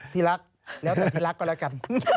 ที่รักเดี๋ยวถ่ายที่รักก็แล้วกัน